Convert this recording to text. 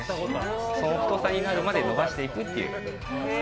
その太さになるまで延ばしていくという。